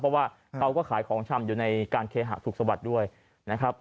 เพราะว่าเขาก็ขายของชำอยู่ในการเคหะสุขสวัสดิ์ด้วยนะครับ